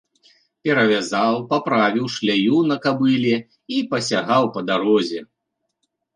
Перавязаў, паправіў шляю на кабыле і пасягаў па дарозе.